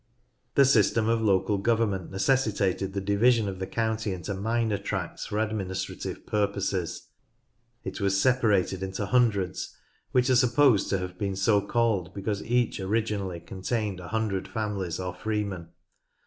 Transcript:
The system of local government necessitated the division of the county into minor tracts for administra tive purposes. It was separated into hundreds, which are supposed to have been so called because each originally contained a hundred families or freemen.